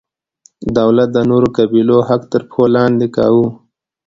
دولت د نورو قبیلو حق تر پښو لاندې کاوه.